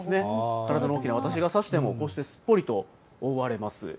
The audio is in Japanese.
体の大きな私が差してもこうしてすっぽりと覆われます。